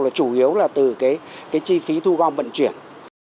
là chủ yếu là từ cái chi phí thu gom vận chuyển